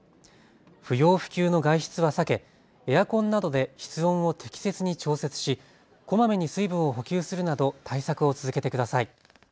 不要不急の外出は避けエアコンなどで室温を適切に調節し、こまめに水分を補給するなど対策を続けてください。